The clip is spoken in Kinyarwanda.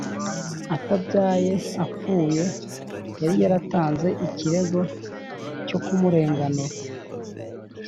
Atabyaye apfuye yari yaratanze ikirego cyo kumurenganura